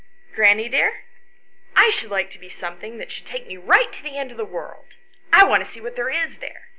" Granny, dear, I should like to be something that should take me right to the end of the world; I want to see what there is there.